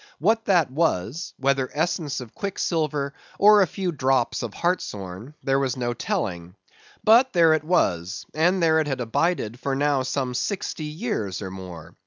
What that was, whether essence of quicksilver, or a few drops of hartshorn, there is no telling. But there it was; and there it had abided for now some sixty years or more.